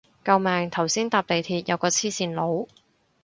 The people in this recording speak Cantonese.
救命頭先搭地鐵有個黐線佬